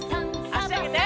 あしあげて。